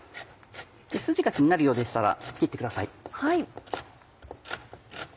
スジが気になるようでしたら切ってください。